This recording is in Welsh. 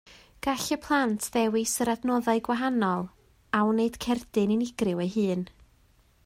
Gall y plant ddewis yr adnoddau gwahanol a wneud cerdyn unigryw eu hun.